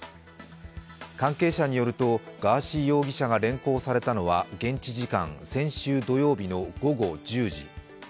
関係者によるとガーシー容疑者が連行されたのは現地時間、先週土曜日の午後１０時。